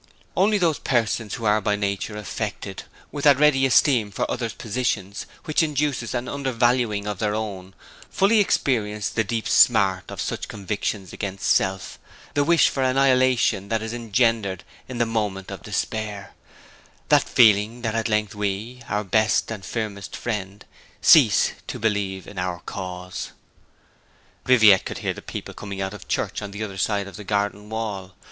Only those persons who are by nature affected with that ready esteem for others' positions which induces an undervaluing of their own, fully experience the deep smart of such convictions against self the wish for annihilation that is engendered in the moment of despair, at feeling that at length we, our best and firmest friend, cease to believe in our cause. Viviette could hear the people coming out of church on the other side of the garden wall.